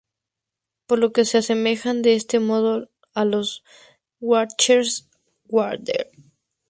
Por lo que se asemejan de este modo a los switches Hardware.